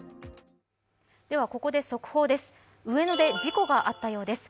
ここで速報です。